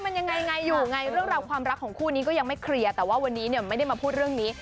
อะไรอยู่ไงแรงรปภราบคู่นี้ก็ยังไม่เคลียร์แต่ว่าวันนี้ไม่ได้มาพูดเรื่องนี้